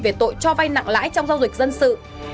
về tội cho vay nặng lãi trong giao dịch dân sự